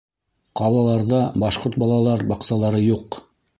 Ҡалаларҙа башҡорт балалар баҡсалары юҡ.